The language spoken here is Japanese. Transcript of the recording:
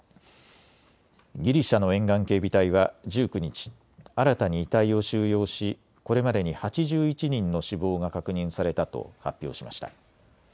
ギリシャの沿岸警備隊は１９日、新たに遺体を収容しこれまでに８１人の死亡が確認されたと発表しました。